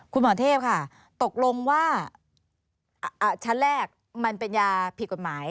คุณหมอเทพค่ะตกลงว่าชั้นแรกมันเป็นยาผิดกฎหมาย